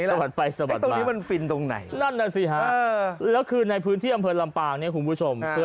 และคือผิดวันนี่หายไปที่อำเภอลำเปาละครับครับ